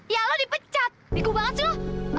ya lo dipecat diku banget sih lo